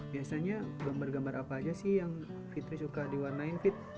biasanya gambar gambar apa aja sih yang fitri suka diwarnain fit